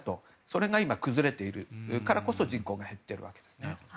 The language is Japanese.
それが今崩れているからこそ人口が減っているわけです。